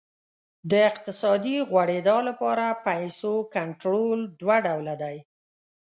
د اقتصادي غوړېدا لپاره پیسو کنټرول دوه ډوله دی.